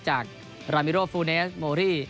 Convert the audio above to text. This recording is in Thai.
จากรามิโรฟูเนสโมรี่